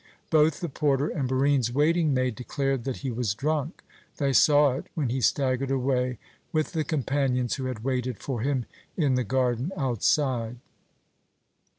Both the porter and Barine's waiting maid declared that he was drunk; they saw it when he staggered away with the companions who had waited for him in the garden outside.